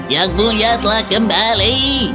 yang mulia telah kembali